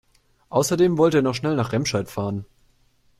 Außerdem wollte er noch schnell nach Remscheid fahren